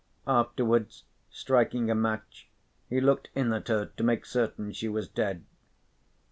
Afterwards, striking a match, he looked in at her to make certain she was dead.